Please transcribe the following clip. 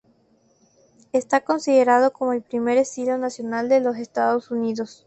Está considerado como el primer estilo nacional de los Estados Unidos.